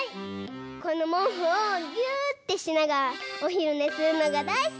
このもうふをぎゅってしながらおひるねするのがだいすき！